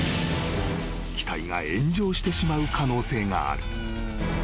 ［機体が炎上してしまう可能性がある］